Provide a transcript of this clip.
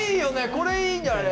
これいいんじゃない？